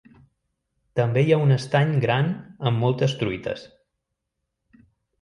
També hi ha un estany gran amb moltes truites.